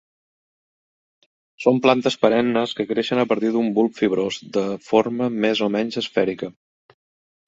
Són plantes perennes que creixen a partir d'un bulb fibrós, de forma més o menys esfèrica.